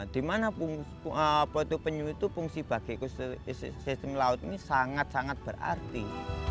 di mana penyu itu fungsi bagi ekosistem laut ini sangat sangat berarti